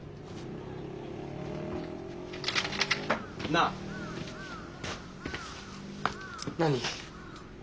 なあ。何？